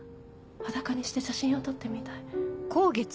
裸にして写真を撮ってみたい。